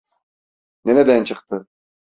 Nereden çıktı?